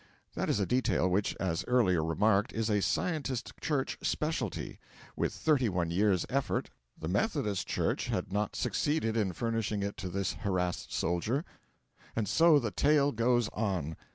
That is a detail which, as earlier remarked, is a Scientist Church specialty. With thirty one years' effort the Methodist Church had not succeeded in furnishing it to this harassed soldier. And so the tale goes on.